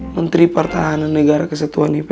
menteri pertahanan negara kesetuan ips